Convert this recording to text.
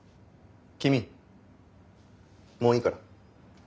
君もういいから。